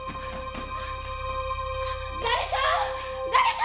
誰か！